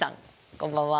こんばんは。